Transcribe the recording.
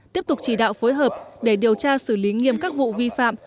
tiếp tục chỉ đạo phối hợp để điều tra xử lý nghiêm các vụ vi phạm